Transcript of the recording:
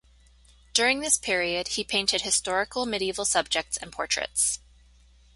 During this period he painted historical medieval subjects and portraits.